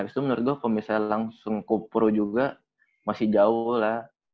habis itu menurut gua kalo misalnya langsung ke pro juga masih jauh lah